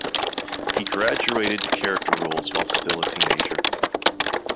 He graduated to character roles while still a teenager.